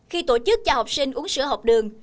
khi tổ chức cho học sinh uống sữa học đường